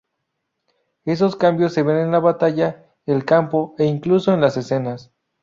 Esos cambios se ven en la batalla, el campo, e incluso en las escenas.